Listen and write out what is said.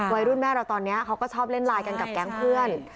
แม่เราตอนนี้เขาก็ชอบเล่นไลน์กันกับแก๊งเพื่อน